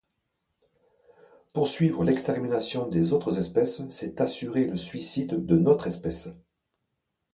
Poursuivre l’extermination des autres espèces, c’est assurer le suicide de notre espèce.